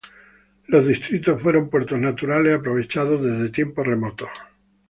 Los distritos y fueron puertos naturales aprovechados desde tiempos remotos.